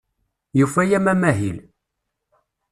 Yufa-am amahil.